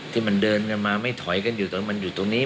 ที่มันเดินกันมาไม่ถอยกันอยู่ตรงนั้นมันอยู่ตรงนี้